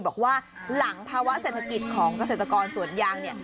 บอกว่าหลังภาวะเศรษฐกิจของเกษตรกรสวนยางเนี่ย